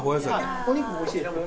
お肉もおいしいですよ。